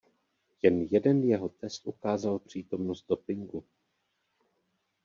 Jen jeden jeho test ukázal přítomnost dopingu.